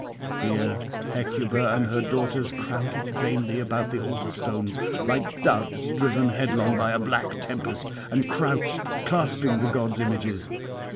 Here Hecuba and her daughters crowded vainly about the altar stones, like doves driven headlong by a black tempest, and crouched clasping the gods' images.